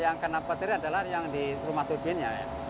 yang kena petir adalah yang di rumah turbinnya ya